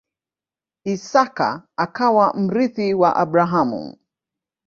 Isaka akawa mrithi wa Abrahamu.